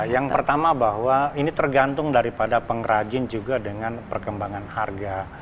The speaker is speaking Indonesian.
yang pertama bahwa ini tergantung daripada pengrajin juga dengan perkembangan harga